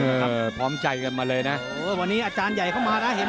ครับพร้อมใจกันมาเลยนะโอ้วันนี้อาจารย์ใหญ่เข้ามานะเห็นไหม